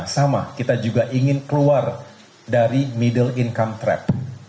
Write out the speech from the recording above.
sama kita juga ingin keluar dari middle income trap